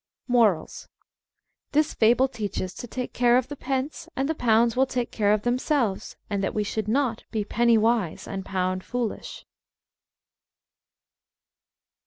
MORALS: This Fable teaches to Takes Care of the Pence and the Pounds will Take Care of Themselves, and that we Should Not Be Penny Wise and Pound Foolish.